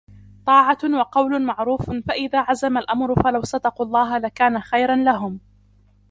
طاعة وقول معروف فإذا عزم الأمر فلو صدقوا الله لكان خيرا لهم